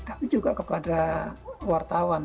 tapi juga kepada wartawan